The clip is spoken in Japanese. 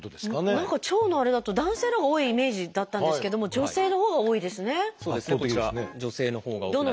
何か腸のあれだと男性のほうが多いイメージだったんですけども女性のほうが多いですね。